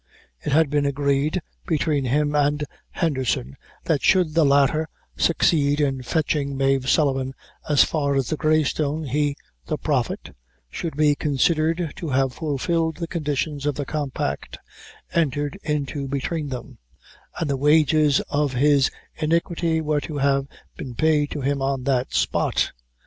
It had been agreed between him and Henderson, that should the latter succeed in fetching Mave Sullivan as far as the Grey Stone, he (the Prophet) should be considered to have fulfilled the conditions of the compact entered into between them, and the wages of his iniquity were to have been paid to him on that spot.